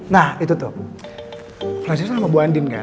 nah itu tuh rasis sama bu andin kan